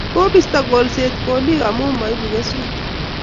Kibisto kolset kolik amu maibu kesutik